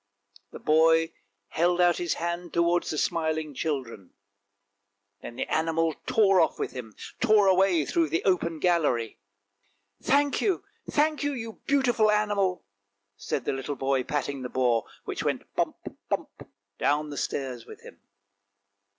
The boy held out his hand towards the smiling children; then the animal tore off with him, tore away through the open gallery. "Thank you, thank you, you beautiful animal! " said the little boy patting the boar, which went bump, bump, down the stairs with him.